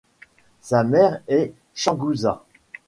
Sa mère est Sanguza.